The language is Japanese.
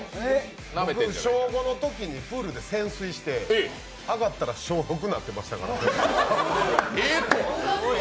僕、小５のときにプールで潜水して上がったら小６になってましたからね。